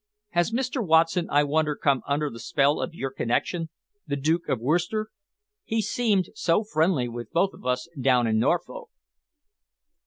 Has Mr. Watson, I wonder come under the spell of your connection, the Duke of Worcester? He seemed so friendly with both of us down in Norfolk."